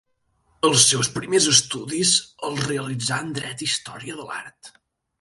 Els seus primers estudis, els realitzà en Dret i Història de l'Art.